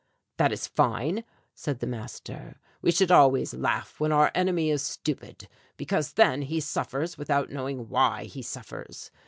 "That is fine," said the master; "we should always laugh when our enemy is stupid, because then he suffers without knowing why he suffers.